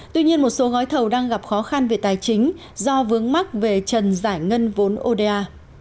tuy nhiên một số gói thầu đang gặp khó khăn về tài chính do vướng mắc về trần giải ngân vốn oda